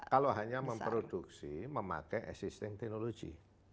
kalau hanya memproduksi memakai existing technology